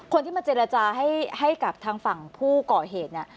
คนที่มาเจรจาให้กับทางฝั่งผู้ก่อเหตุเนี่ย